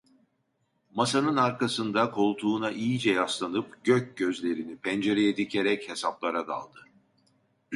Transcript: Masanın arkasında, koltuğuna iyice yaslanıp gök gözlerini pencereye dikerek hesaplara daldı.